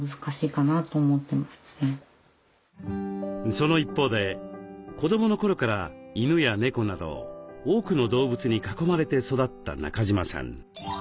その一方で子どもの頃から犬や猫など多くの動物に囲まれて育った中島さん。